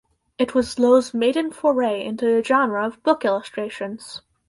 It was Loh's maiden foray into the genre of book illustrations.